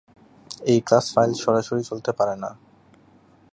এই class file সরাসরি চলতে পারে না।